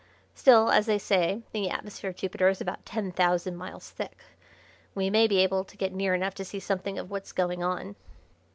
Still, as they say the atmosphere of Jupiter is about ten thousand miles thick, we may be able to get near enough to see something of what's going on.